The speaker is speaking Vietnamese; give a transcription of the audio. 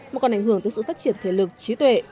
mà còn ảnh hưởng tới sự phát triển thể lực trí tuệ